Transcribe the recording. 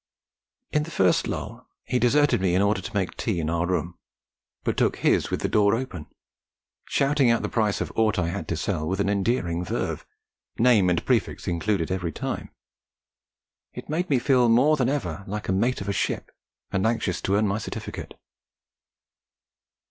In the first lull he deserted me in order to make tea in our room, but took his with the door open, shouting out the price of aught I had to sell with an endearing verve, name and prefix included every time. It made me feel more than ever like the mate of a ship, and anxious to earn my certificate.